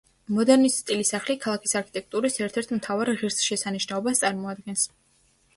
მოდერნის სტილის სახლი ქალაქის არქიტექტურის ერთ-ერთ მთავარ ღირსშესანიშნაობას წარმოადგენს.